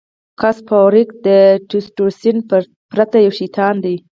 ګس فارویک د ټسټورسټون پرته یو شیطان دی